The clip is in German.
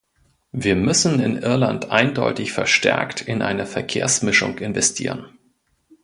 Wir müssen in Irland eindeutig verstärkt in eine Verkehrsmischung investieren.